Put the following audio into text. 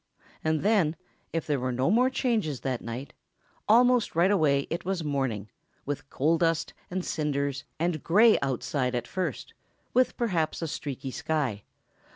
And then, if there were no more changes that night, almost right away it was morning, with coal dust, and cinders, and gray outside at first ... with perhaps a streaky sky